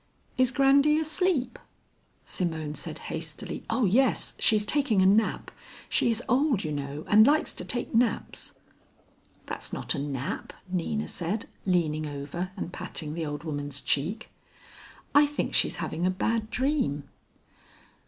"Is Grandy asleep?" Simone said hastily, "Oh yes, she's taking a nap. She is old, you know, and likes to take naps." "That's not a nap," Nina said, leaning over and patting the old woman's cheek, "I think she's having a bad dream."